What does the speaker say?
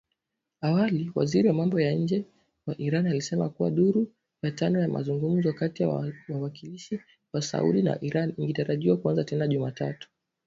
Awali waziri wa mambo ya nje wa Iraq, alisema kuwa duru ya tano ya mazungumzo kati ya wawakilishi wa Saudi na Iran ingetarajiwa kuanza tena Jumatano.